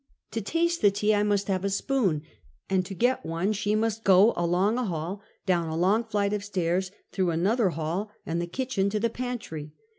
To taste the tea 1 must have a spoon, and to get one she must go along a hall, down a long flight of stairs, through another hall and the kitchen, to the pantry.